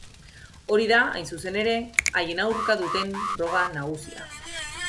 Hori da, hain zuzen ere, haien aurka duten froga nagusia.